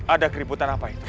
ada keributan apa itu